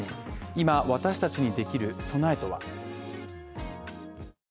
今私達にできる備えとは。